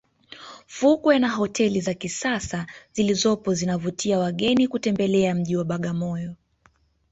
fukwe na hoteli za kisasa zilizopo zinavutia wageni kutembelea mji wa bagamoyo